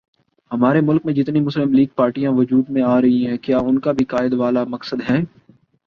ہمارے ملک میں جتنی مسلم لیگ پارٹیاں وجود میں آرہی ہیں کیا انکا بھی قائد والا مقصد ہے